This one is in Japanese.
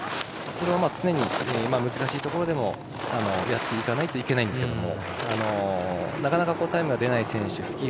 それを常に、難しいところでもやらないといけないんですがなかなかタイムが出ない選手